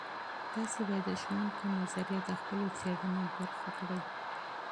تاسې باید د ښوونکو نظریات د خپلو څیړنو برخه کړئ.